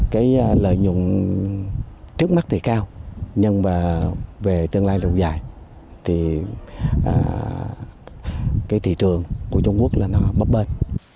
cái lợi nhuận trước mắt thì cao nhưng mà về tương lai lâu dài thì cái thị trường của trung quốc là nó bấp bên